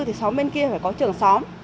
thì xóm bên kia phải có trưởng xóm